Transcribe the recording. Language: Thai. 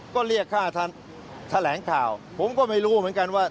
ก็เรียกค่าท่านแถลงข่าวผมก็ไม่รู้เหมือนกันว่า